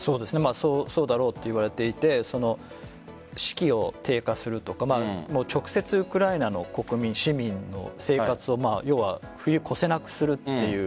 そうだろうといわれていて士気を低下させるとか直接ウクライナの国民、市民の生活を冬を越せなくするという。